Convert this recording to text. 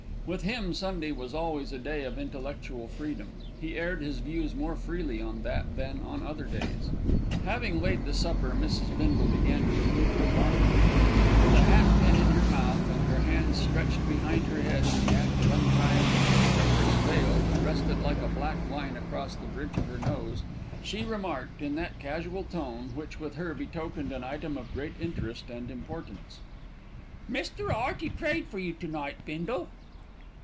With him Sunday was always a day of intellectual freedom. He aired his views more freely on that than on other days. Having laid the supper, Mrs. Bindle began to remove her bonnet. With a hat pin in her mouth and her hands stretched behind her head in the act of untying an obstreperous veil that rested like a black line across the bridge of her nose, she remarked, in that casual tone which with her betokened an item of great interest and importance: "Mr. Hearty prayed for you to night, Bindle."